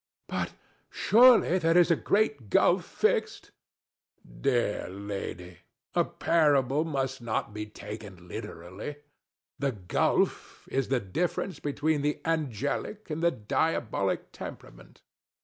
ANA. But surely there is a great gulf fixed. THE DEVIL. Dear lady: a parable must not be taken literally. The gulf is the difference between the angelic and the diabolic temperament.